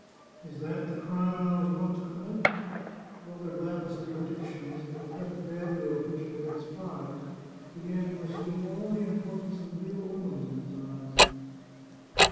" Is that the crime I was not to commit ?" Father Blanes's predictions, the prophetic value of which he had despised, began to assume all the im portance of real omens in his eyes.